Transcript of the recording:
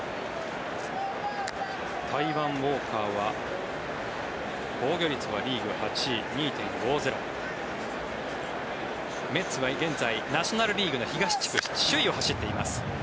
タイワン・ウォーカーは防御率はリーグ８位、２．５０メッツは現在ナショナル・リーグの東地区首位を走っています。